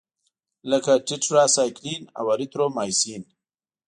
لکه ټیټرایسایکلین او اریترومایسین.